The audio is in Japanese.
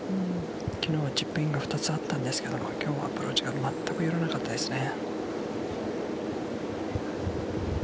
昨日はチップインが２つあったんですが今日はアプローチがまったく読めなかったですね。